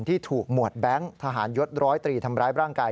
ที่ถูกหมวดแบงค์ทหารยศร้อยตรีทำร้ายร่างกาย